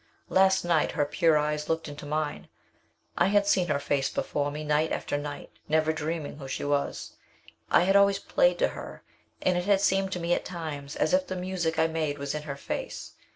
"Last night her pure eyes looked into mine. I had seen her face before me night after night, never dreaming who she was. I had always played to her, and it had seemed to me at times as if the music I made was in her face.